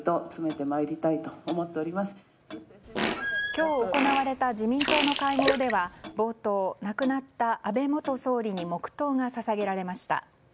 今日、行われた自民党の会合では冒頭、亡くなった安倍元総理に黙祷が捧げられました。